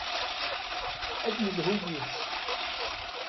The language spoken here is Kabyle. Ad d-nelhu yid-s.